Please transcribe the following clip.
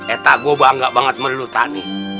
eta gua bangga banget sama lu tadi